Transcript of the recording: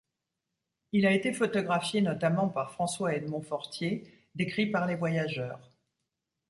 Il a été photographié notamment par François-Edmond Fortier, décrit par les voyageurs.